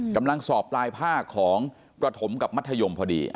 กำลังสอบปลายภาคของประถมกับมัธยมพอดี